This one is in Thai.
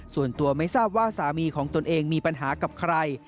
ส่วนตัวไม่ทราบว่าสามีของตนเองมีปัญหากับใคร